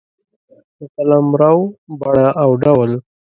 د قلمرو بڼه او ډول